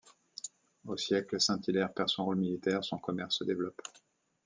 Au siècle, Saint-Hilaire perd son rôle militaire, son commerce se développe.